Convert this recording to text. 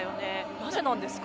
なぜなんですか。